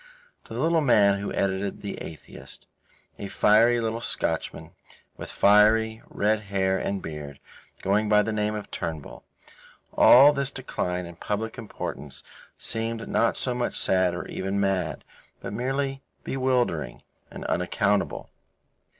To the little man who edited The Atheist, a fiery little Scotchman, with fiery, red hair and beard, going by the name of Turnbull, all this decline in public importance seemed not so much sad or even mad, but merely bewildering and unaccountable.